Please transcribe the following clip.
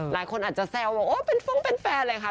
หลายคนอาจจะแซวบอกโอ้เป็นฟงเป็นแฟนเลยค่ะ